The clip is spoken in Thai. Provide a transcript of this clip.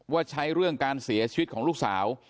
ว่าใช้เรื่องการเสียชีวิตของลูกสาว